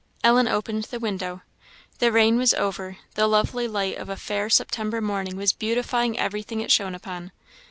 Ellen opened the window. The rain was over; the lovely light of a fair September morning was beautifying everything it shone upon.